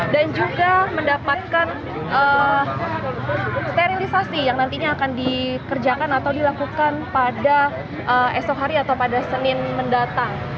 dan juga mendapatkan sterilisasi yang nantinya akan dikerjakan atau dilakukan pada esok hari atau pada senin mendatang